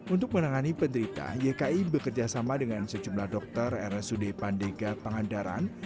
untuk menangani penderita yki bekerjasama dengan sejumlah dokter rsud pandega pangandaran